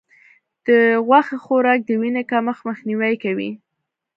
د غوښې خوراک د وینې کمښت مخنیوی کوي.